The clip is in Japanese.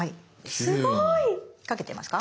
すごい！描けてますか？